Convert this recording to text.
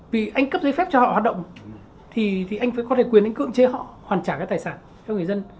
vì anh cấp giấy phép cho họ hoạt động thì anh phải có thể quyền anh cưỡng chế họ hoàn trả cái tài sản cho người dân